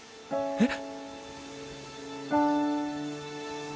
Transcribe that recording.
「えっ」